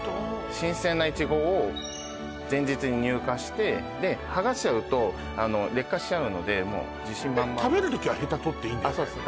新鮮ないちごを前日に入荷してはがしちゃうと劣化しちゃうのでもう自信満々食べる時はヘタ取っていいんだよね